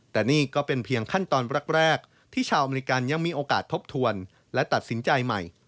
แต่นี่ก็เป็นเพียงขั้นตอนแรกที่ชาวอเมริกันยังมีโอกาสทบทวนและตัดสินใจใหม่